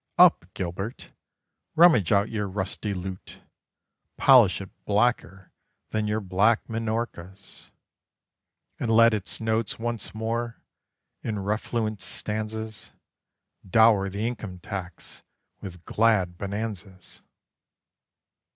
Up, Gilbert! rummage out your rusty lute: Polish it blacker than your black Minorcas: And let its notes once more, in refluent stanzas, Dower the Income tax with glad Bonanzas."